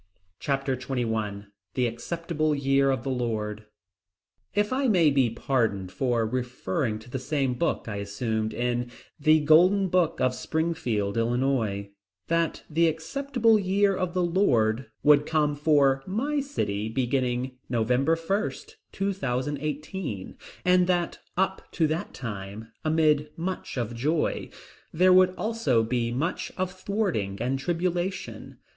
Chapter XXI The Acceptable Year of the Lord. If I may be pardoned for referring again to the same book, I assumed, in The Golden Book of Springfield, Illinois, that the Acceptable Year of the Lord would come for my city beginning November 1, 2018, and that up to that time, amid much of joy, there would also be much of thwarting and tribulation.